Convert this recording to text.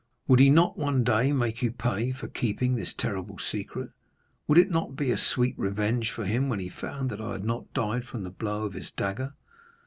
Would he not one day make you pay for keeping this terrible secret? Would it not be a sweet revenge for him when he found that I had not died from the blow of his dagger?